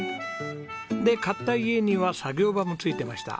で買った家には作業場も付いてました。